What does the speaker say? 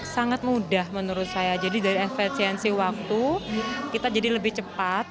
sangat mudah menurut saya jadi dari efisiensi waktu kita jadi lebih cepat